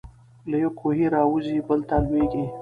له یوه کوهي را وزي بل ته لوېږي.